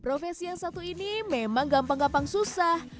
profesi yang satu ini memang gampang gampang susah